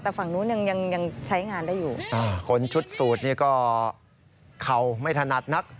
แต่ฝั่งนู้นยังยังใช้งานได้อยู่อ่าคนชุดสูตรนี่ก็เข่าไม่ถนัดนัก